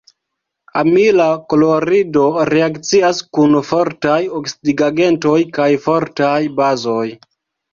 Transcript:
Amila klorido reakcias kun fortaj oksidigagentoj kaj fortaj bazoj.